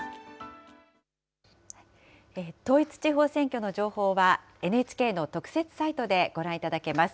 統一地方選挙の情報は、ＮＨＫの特設サイトでご覧いただけます。